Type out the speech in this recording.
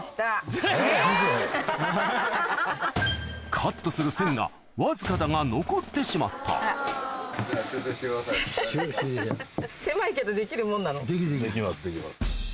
カットする線がわずかだが残ってしまった難易度が上がった。